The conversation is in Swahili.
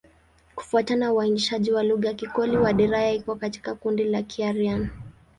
Kufuatana na uainishaji wa lugha, Kikoli-Wadiyara iko katika kundi la Kiaryan.